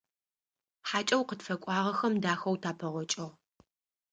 ХьакӀэу къытфэкӀуагъэхэм дахэу тапэгъокӀыгъ.